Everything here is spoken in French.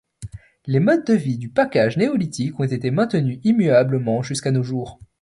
Les modes de vie du pacage néolithique ont été maintenus immuablement jusqu'à nos jours.